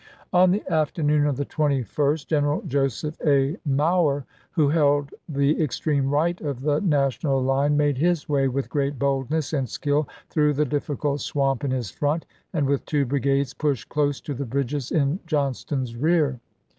On the afternoon of the 21st, General Joseph A. March, lses. Mower, who held the extreme right of the National line, made his way with great boldness and skill through the difficult swamp in his front, and with two brigades pushed close to the bridges in John ston's rear.